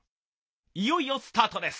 いよいよスタートです！